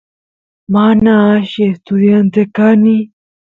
mana alli estudiante kani